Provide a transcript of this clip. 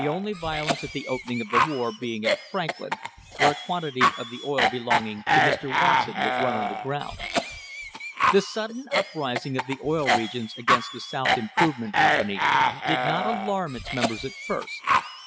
only violence at the opening of the war being at Franklin, where a quantity of the oil belonging to Mr. Watson was run on the ground. The sudden uprising of the Oil Regions against the South Improvement Company did not alarm its members at first.